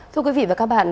thưa quý vị và các bạn